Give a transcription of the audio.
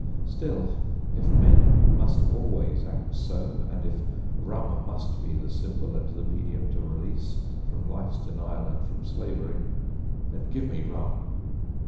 Still, if men Must always act so, and if rum must be The symbol and the medium to release From life's denial and from slavery, Then give me rum!"